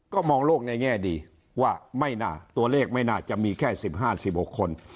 ก็มองโลกในแง่ดีว่าไม่น่าตัวเลขไม่น่าจะมีแค่๑๕๑๖คน